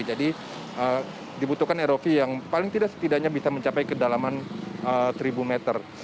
jadi dibutuhkan rov yang paling tidak setidaknya bisa mencapai kedalaman satu meter